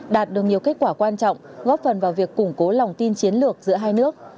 đạt được nhiều kết quả quan trọng góp phần vào việc củng cố lòng tin chiến lược giữa hai nước